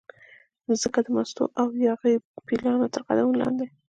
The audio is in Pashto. مځکه د مستو او یاغي پیلانو ترقدمونو لاندې